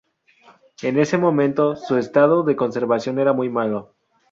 En ese momento, su estado de conservación era muy malo.